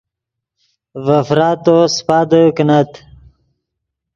ڤے فراتو سیپادے کینت